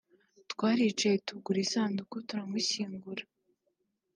twaricaye tugura isanduku turamushyingura